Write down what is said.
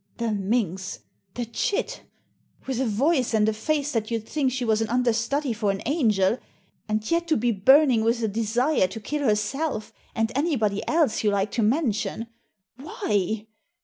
''The minx! — the chit !— with a voice and a face that you'd think she was an understudy for an angel, and yet to be burn ing with a desire to kill herself, and anybody else you like to mention — ^why?